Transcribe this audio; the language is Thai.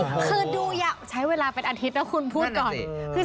คือดูใช้เวลาเป็นอาทิตย์นะคุณพูดก่อน